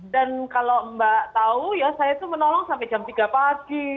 dan kalau mbak tahu ya saya itu menolong sampai jam tiga pagi